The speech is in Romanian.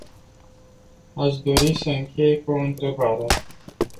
Aș dori să închei cu o întrebare.